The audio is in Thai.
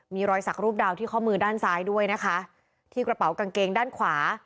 มีรอยสักรูปดาวที่ข้อมือด้านซ้ายด้วยนะคะที่กระเป๋ากางเกงด้านขวา